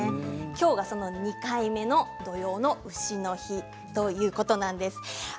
きょうが２回目の丑の日ということなんです。